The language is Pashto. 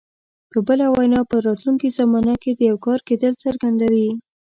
په بله وینا په راتلونکي زمانه کې د یو کار کېدل څرګندوي.